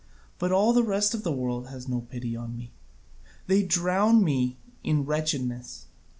But all the rest of the world has no pity on me; they drown me in wretchedness.